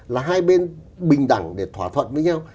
là hai bên bình đẳng để thỏa thuận với nhau